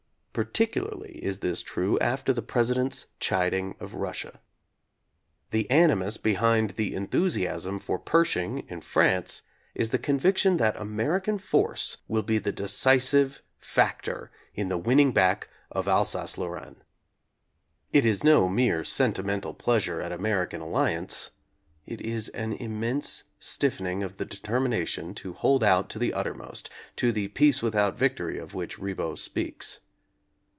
Particularly is this true after the President's chiding of Russia. The animus behind the enthusiasm for Pershing in France is the conviction that American force will be the de cisive factor in the winning back of Alsace Lor raine. It is no mere sentimental pleasure at American alliance. It is an immense stiffening of the determination to hold out to the uttermost, to the "peace with victory" of which Ribot speaks.